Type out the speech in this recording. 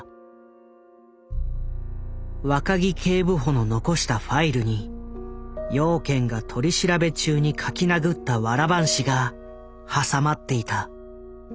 若木警部補の残したファイルに養賢が取り調べ中に書きなぐったわら半紙が挟まっていた。